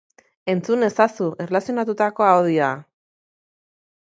Entzun ezazu erlazionatutako audioa!